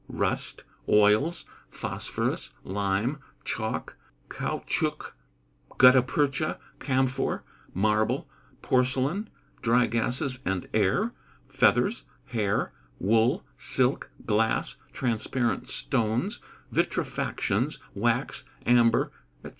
_ Rust, oils, phosphorous, lime, chalk, caoutchouc, gutta percha, camphor, marble, porcelain, dry gases and air, feathers, hair, wool, silk, glass, transparent stones, vitrefactions, wax, amber, &c.